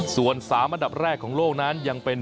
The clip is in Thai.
ส่วน๓อันดับแรกของโลกนั้นยังเป็น